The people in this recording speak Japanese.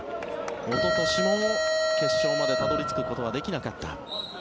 おととしも決勝までたどり着くことはできなかった。